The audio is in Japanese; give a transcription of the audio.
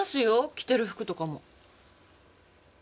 着てる服とかも。